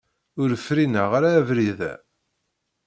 Ur frineɣ ara abrid-a.